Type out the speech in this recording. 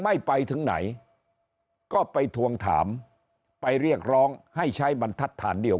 ไม่ไปถึงไหนก็ไปทวงถามไปเรียกร้องให้ใช้บรรทัศน์เดียว